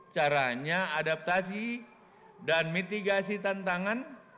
caranya adaptasi dan mitigasi tantangan